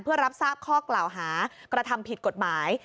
เพื่อรับทราบข้อกล่าวหากระทำผิดกฎหมาย